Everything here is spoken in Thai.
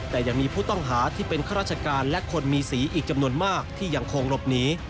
แต่ยังมีผู้ต้องหาที่เป็นข้าราชการและคนมีสีอีกจำนวนมากที่ยังคงหลบหนี